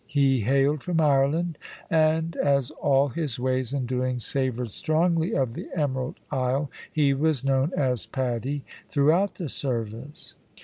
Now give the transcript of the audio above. He hailed from Ireland, and as all his ways and doings savoured strongly of the Emerald Isle, he was known as Paddy throughout the service."